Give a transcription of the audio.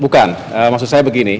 bukan maksud saya begini